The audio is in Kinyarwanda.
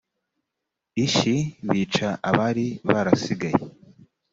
ishi bica abari barasigaye